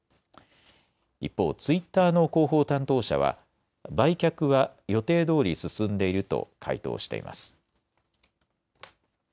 一方、ツイッターの広報担当者は売却は予定どおり進んでいると回答しています。